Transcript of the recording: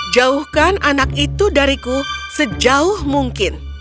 jauhkan anak itu dariku sejauh mungkin